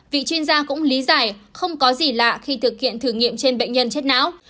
vị chuyên gia cũng lý giải không có gì lạ khi thực hiện thử nghiệm trên bệnh nhân chết não